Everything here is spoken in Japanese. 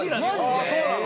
ああそうなの？